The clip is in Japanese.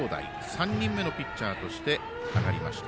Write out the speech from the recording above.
３人目のピッチャーとして上がりました。